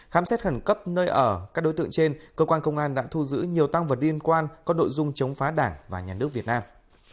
khám xét khẩn cấp nơi ở các đối tượng trên cơ quan công an đã thu giữ nhiều tăng vật liên quan có nội dung chống phá đảng và nhà nước việt nam